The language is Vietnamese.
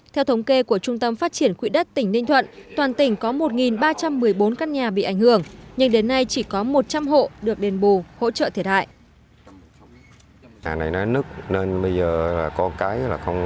theo thống kê của trung tâm phát triển quỹ đất tỉnh ninh thuận toàn tỉnh có một ba trăm một mươi bốn căn nhà bị ảnh hưởng nhưng đến nay chỉ có một trăm linh hộ được đền bù hỗ trợ thiệt hại